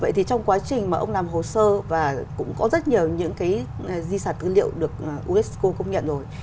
vậy thì trong quá trình mà ông làm hồ sơ và cũng có rất nhiều những cái di sản tư liệu được unesco công nhận rồi